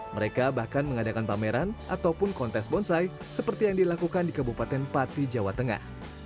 mereka bahkan mengadakan pameran ataupun kontes bonsai seperti yang dilakukan di kabupaten pati jawa tengah